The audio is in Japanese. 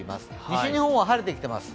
西日本は晴れてきています。